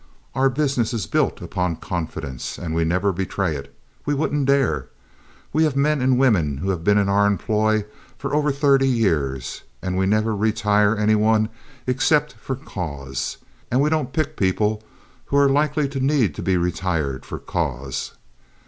Our business is built upon confidence, and we never betray it. We wouldn't dare. We have men and women who have been in our employ for over thirty years, and we never retire any one except for cause, and we don't pick people who are likely to need to be retired for cause.